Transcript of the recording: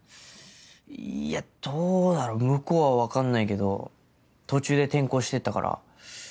いやどうだろ向こうは分かんないけど途中で転校してったから。